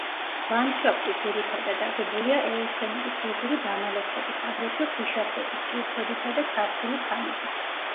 ლანდშაფტი ძირითადად აგებულია ეოცენური ფლიშური დანალექებით, აგრეთვე ქვიშაქვებით, კირქვებითა და ცარცული ქანებით.